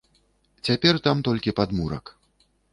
Цяпер там толькі падмурак.